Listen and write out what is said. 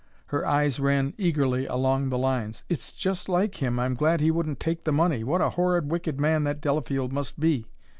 Her eyes ran eagerly along the lines. "It's just like him! I'm glad he wouldn't take the money! What a horrid, wicked man that Delafield must be!